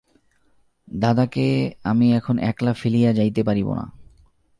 দাদাকে আমি এখন একলা ফেলিয়া যাইতে পারিব না।